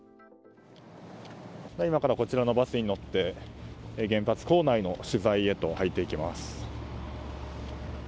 今から、こちらのバスに乗って原発棟内への取材に入っていきます。